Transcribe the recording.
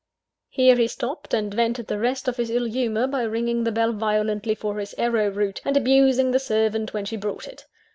Here he stopped; and vented the rest of his ill humour by ringing the bell violently for "his arrow root," and abusing the servant when she brought it.